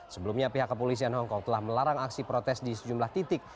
sebelumnya pihak kepolisian hongkong telah melarang aksi protes di sejumlah titik